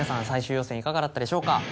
最終予選いかがだったでしょうか？